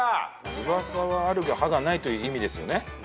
翼はあるが歯がないという意味ですよね。